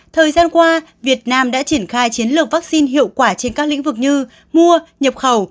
thời gian qua việt nam đã triển khai chiến lược vaccine hiệu quả trên các lĩnh vực như mua nhập khẩu